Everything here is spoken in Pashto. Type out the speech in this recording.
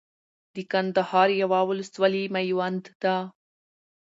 د کندهار يوه ولسوالي ميوند ده